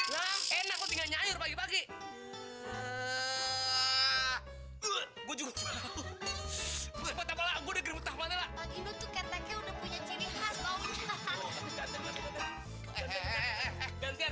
lah enak deja zast along brian